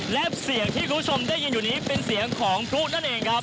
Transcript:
และเสียงที่คุณผู้ชมได้ยินอยู่นี้เป็นเสียงของพลุนั่นเองครับ